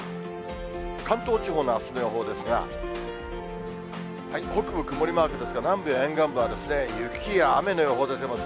関東地方のあすの予報ですが、北部、曇りマークですが、南部や沿岸部は雪や雨の予報出てますね。